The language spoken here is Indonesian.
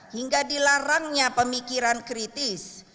hingga dilarangnya pemikiran kritis